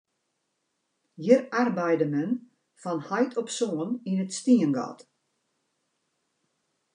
Hjir arbeide men fan heit op soan yn it stiengat.